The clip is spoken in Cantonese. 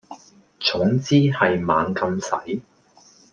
總之係猛咁使